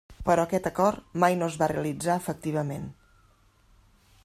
Però aquest acord mai no es va realitzar efectivament.